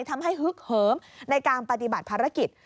ฮึกเหิมในการปฏิบัติภารกิจ